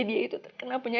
tapi tapi ibu terus aja kerja